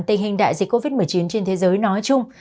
tình hình đại dịch covid một mươi chín trên thế giới nói chung